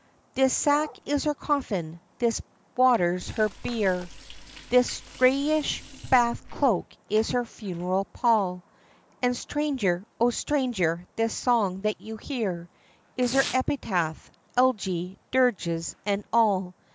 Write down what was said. This sack is her coffin, this water's her bier, This grayish bath cloak is her funeral pall; And, stranger, O stranger! this song that you hear Is her epitaph, elegy, dirges, and all!